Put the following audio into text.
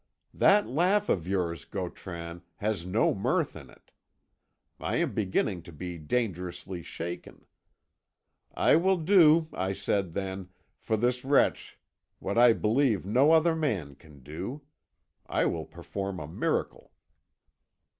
That laugh of yours, Gautran, has no mirth in it. I am beginning to be dangerously shaken. I will do, I said then, for this wretch what I believe no other man can do. I will perform a miracle."